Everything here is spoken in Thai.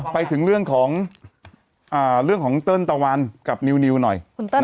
อ้าไปถึงเรื่องของอ่าเรื่องของเตือนตะวันกับนิวนิวหน่อย